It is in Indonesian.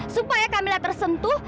supaya kamila tersentuh